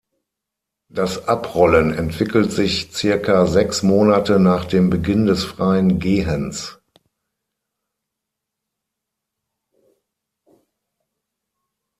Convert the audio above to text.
Das Abrollen entwickelt sich circa sechs Monate nach dem Beginn des freien Gehens.